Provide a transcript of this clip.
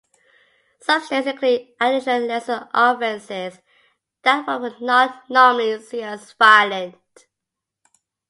Some states include additional, lesser offenses that one would not normally see as violent.